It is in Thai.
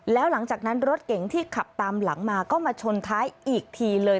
แล้วหลังจากนั้นรถเก๋งที่ขับตามหลังมาก็มาชนท้ายอีกทีเลย